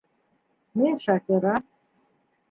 Мин Шакира.